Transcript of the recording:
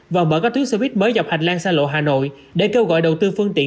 và mở các tuyến xe buýt mới dọc hành lang xa lộ hà nội để kêu gọi đầu tư phương tiện